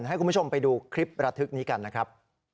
ให้คุณผู้ชมไปดูคลิประทึกนี้กันนะครับ